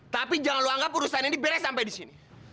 tapi jangan lo anggap urusan ini beres sampai di sini